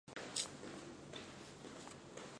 江户幕府的将军是德川家光。